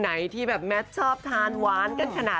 อ่ะต้องเอาตัวเองให้ดิ้งก่อนนะ